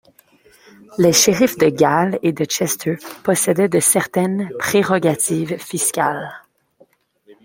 Les shériffs de Galles et de Chester possédaient de certaines prérogatives fiscales.